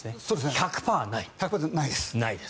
１００％ないです。